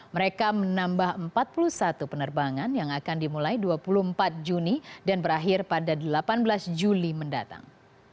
mereka menambah empat puluh satu penerbangan yang akan dimulai dua puluh empat juni dan berakhir pada delapan belas juli mendatang